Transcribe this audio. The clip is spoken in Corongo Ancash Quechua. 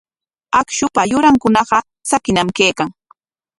Akshupa yurankunaqa tsakiñam kaykan.